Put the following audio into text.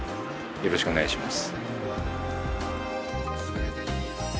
よろしくお願いします。